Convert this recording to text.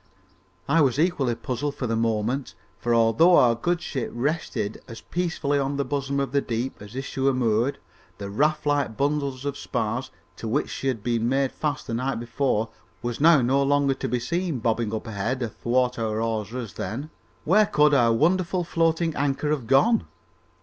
I was equally puzzled for the moment, for although our good ship rested as peacefully on the bosom of the deep as if she were moored, the raftlike bundle of spars, to which she had been made fast the night before, was now no longer to be seen bobbing up ahead, athwart our hawser as then. Where could our wonderful floating anchor have gone?